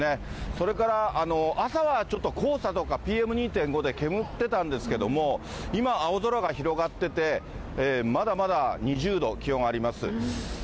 それから朝はちょっと、黄砂とかＰＭ２．５で煙ってたんですけれども、今、青空が広がってて、まだまだ２０度、気温あります。